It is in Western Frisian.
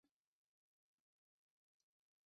Nei hast trije kertier fûle striid wint hja de partij.